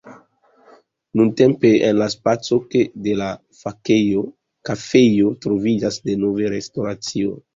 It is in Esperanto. Nuntempe en la spaco de la kafejo troviĝas denove restoracio.